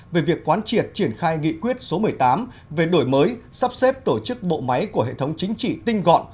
về việc quán triệt triển khai nghị quyết số một mươi tám về đổi mới sắp xếp tổ chức bộ máy của hệ thống chính trị tinh gọn